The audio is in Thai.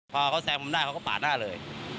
พอเขาแซงผมได้เขาก็ปาดหน้าเลย